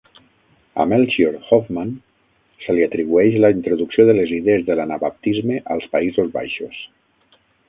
A Melchior Hoffman se li atribueix la introducció de les idees de l'anabaptisme als Països Baixos.